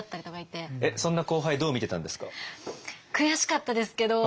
えっそんな後輩どう見てたんですか？